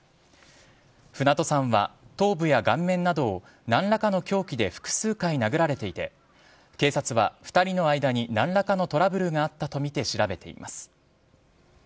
船戸さんは頭部や顔面などをなんらかの凶器で複数回殴られていて、警察は２人の間に、なんらかのトラブルがあったと見て調べています。